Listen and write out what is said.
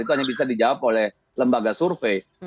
itu hanya bisa dijawab oleh lembaga survei